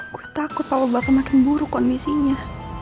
gue takut papa bakal makin buruk kondisinya